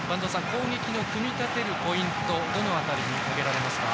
攻撃の組み立てるポイントどの辺りに挙げられますか？